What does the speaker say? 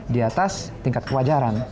di atas tingkat kewajaran